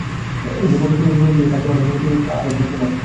ধ্রুবকে কোলে তুলিয়া লইয়া ঠাকুর অনেক মিনতি করিয়া বলিলেন, আর একবার শুনাও।